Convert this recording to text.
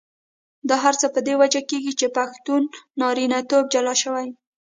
دا هر څه په دې وجه کېږي چې پښتون نارینتوب جلا شوی.